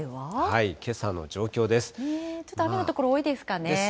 けさの状況です。ですね。